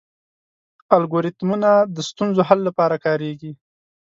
الګوریتمونه د ستونزو حل لپاره کارېږي.